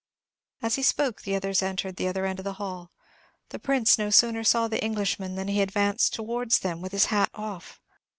As he spoke, the others entered the other end of the hall. The Prince no sooner saw the Englishmen than he advanced towards them with his hat off.